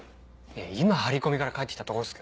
今張り込みから帰って来たとこですけど？